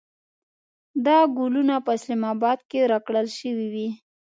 دا ګلونه په اسلام اباد کې راکړل شوې وې.